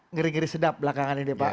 ngeri ngeri sedap belakangan ini pak